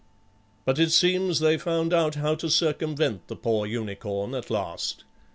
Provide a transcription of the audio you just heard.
But it seems they found out how to circumvent the poor unicorn at last.